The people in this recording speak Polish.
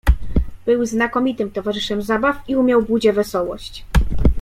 "Był znakomitym towarzyszem zabaw i umiał budzie wesołość."